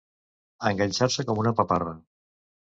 Enganxar-se com una paparra.